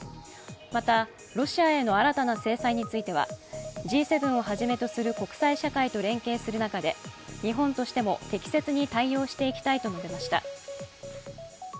また、ロシアへの新たな制裁については、Ｇ７をはじめとする国際社会と連携する中で日本としても適切に対応していきたいと述べました。